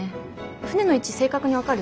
船の位置正確に分かる？